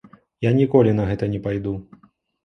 Я ніколі на гэта не пайду.